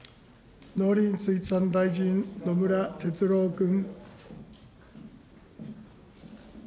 農林水産大臣、野村哲郎君。